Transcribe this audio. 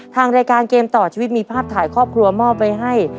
ทางรายการเกมต่อชีวิตมีภาพถ่ายครอบครัวมอบไว้ให้